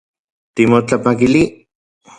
Timotlapakili